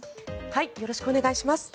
よろしくお願いします。